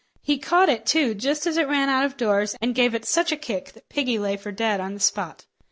He caught it, too, just as it ran out of doors, and gave it such a kick that piggy lay for dead on the spot.